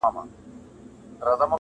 په قهر ورکتلي له لومړۍ ورځي اسمان.!